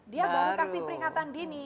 dia baru kasih peringatan dini